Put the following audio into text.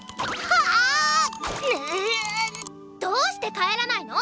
どーして帰らないの⁉